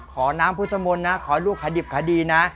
ขอน้ำพุทธมนต์นะขอลูกขดิบคดีนะ